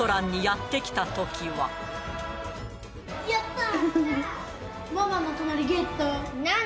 やった！